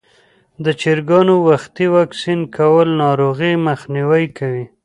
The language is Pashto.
د چرګانو وختي واکسین کول ناروغۍ مخنیوی کوي.